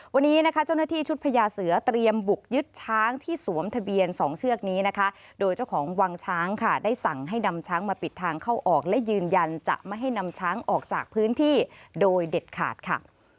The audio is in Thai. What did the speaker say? วันนี้นะคะเจ้าหน้าที่ชุดพญาเสือเตรียมบุกยึดช้างที่สวมทะเบียน๒เชือกนี้นะคะโดยเจ้าของวังช้างค่ะได้สั่งให้นำช้างมาปิดทางเข้าออกและยืนยันจะไม่ให้นำช้างออกจากพื้นที่โดยเด็ดขาดค่ะ